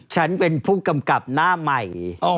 ฉันเป็นผู้กำกับหน้าใหม่